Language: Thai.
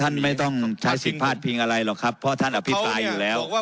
ไม่ต้องใช้สิทธิ์พลาดพิงอะไรหรอกครับเพราะท่านอภิปรายอยู่แล้ว